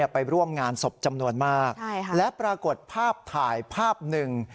ไปร่วมงานศพจำนวนมากและปรากฏภาพถ่ายภาพหนึ่ง